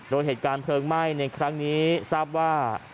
โดยเหตุการณ์เพลิงไหม้ในครั้งนี้ทราบว่า